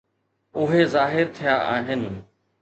اهي ظاهر ٿيا آهن.